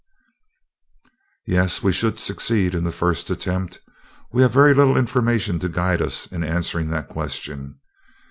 "Yes, we should succeed in the first attempt. We have very little information to guide us in answering that question."